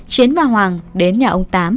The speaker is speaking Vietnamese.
chiến và hoàng đến nhà ông tám